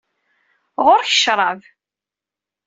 Ɣur-k ccrab.